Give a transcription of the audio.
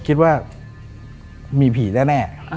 คิดว่ามีผีแน่